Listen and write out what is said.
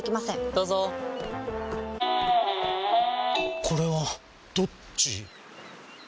どうぞこれはどっち？